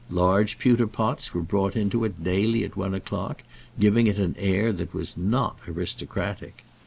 Large pewter pots were brought into it daily at one o'clock, giving it an air that was not aristocratic.